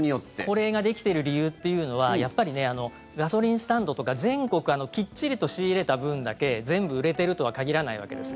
これができている理由というのはガソリンスタンドとか全国、きっちりと仕入れた分だけ全部売れているとは限らないわけです。